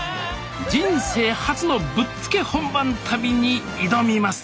人生初のぶっつけ本番旅に挑みます